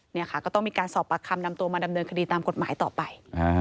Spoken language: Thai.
นี่ค่ะก็ต้องมีการสอบปากคำนำตัวมาดำเนินคดีตามกฎหมายต่อไป